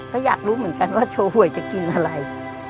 ก็อยากรู้เหมือนกันว่าโชว์หวยจะกินอะไร